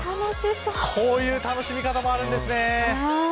こういう楽しみ方もあるんですね。